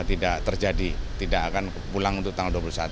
tidak terjadi tidak akan pulang untuk tanggal dua puluh satu